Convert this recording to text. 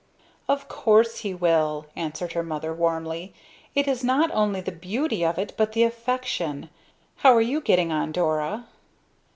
"Of course he will!" answered her mother, warmly. "It is not only the beauty of it, but the affection! How are you getting on, Dora?"